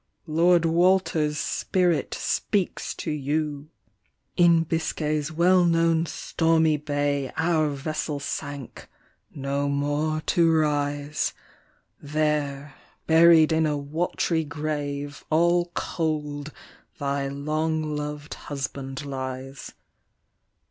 Lord Walter's spirit speaks to vou! lit) THE MESSENGER " In Biscay's well known stormy bay, Our vessel sank, no more to rise ; There, buried in a wat'ry grave, All cold, thy long lov'd husband lies.